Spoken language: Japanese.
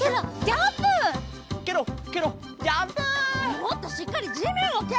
もっとしっかりじめんをける！